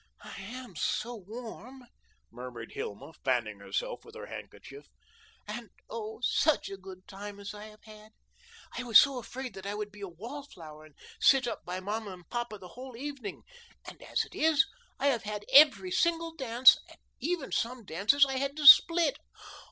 "I AM so warm!" murmured Hilma, fanning herself with her handkerchief; "and, oh! SUCH a good time as I have had! I was so afraid that I would be a wall flower and sit up by mamma and papa the whole evening; and as it is, I have had every single dance, and even some dances I had to split.